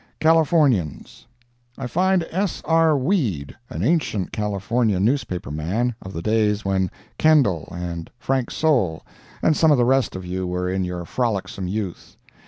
CALIFORNIANS I find S. R. Weed, an ancient California newspaper man, of the days when Kendall and Frank Soule, and some of the rest of you were in your frolicsome youth.